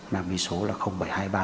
năm y số là bảy trăm hai mươi ba g